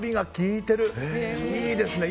いいですね。